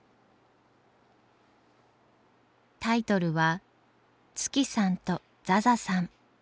タイトルは「月さんとザザさん」。